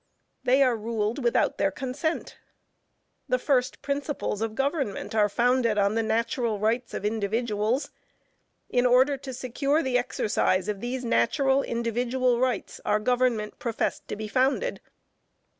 _ They are ruled without their consent. The first principles of government are founded on the natural rights of individuals; in order to secure the exercise of these natural, individual rights our government professed to be founded.